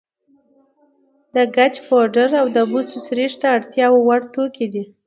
د ګچ پوډر او د بوسو سريښ د اړتیا وړ توکي دي.